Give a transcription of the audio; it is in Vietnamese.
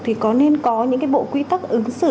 thì có nên có những cái bộ quy tắc ứng xử